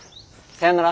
さよなら。